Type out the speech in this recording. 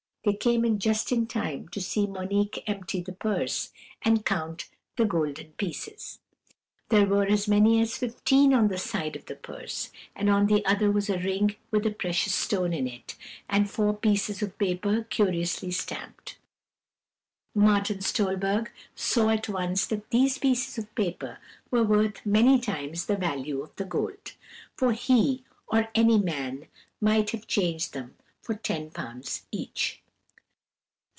They came in just in time to see Monique empty the purse, and count the golden pieces. There were as many as fifteen on the one side of the purse, and on the other was a ring with a precious stone in it, and four pieces of paper curiously stamped. Martin Stolberg saw at once that these pieces of paper were worth many times the value of the gold, for he or any man might have changed them for ten pounds each.